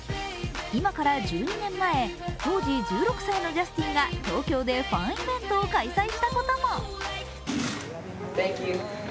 今から１２年前、当時１６歳のジャスティンが東京でファンイベントを開催したことも。